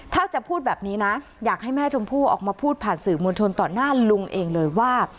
ถ้าจะพูดแบบนี้นะอยากให้แม่ชมพู่ออกมาพูดผ่านสื่อมวลชนต่อหน้าลุงเองเลยว่า